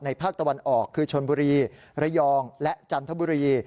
ภาคตะวันออกคือชนบุรีระยองและจันทบุรี